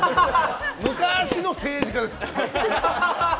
昔の政治家です。